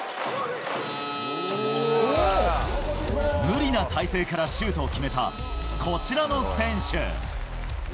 無理な体勢からシュートを決めた、こちらの選手。